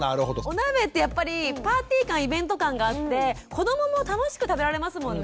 お鍋ってやっぱりパーティー感イベント感があって子どもも楽しく食べられますもんね。